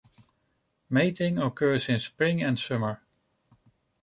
Mating occurs in spring and summer.